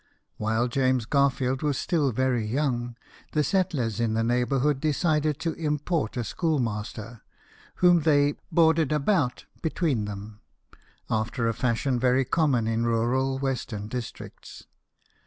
While James Garfield was still very young, the settlers in the neighbourhood decided to import a schoolmaster, whom they " boarded about " between them, after a fashion very common in rural western districts.